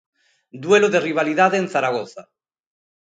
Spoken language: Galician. Duelo de rivalidade en Zaragoza.